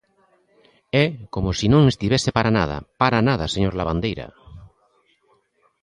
É como se non estivese para nada, ¡para nada, señor Lavandeira!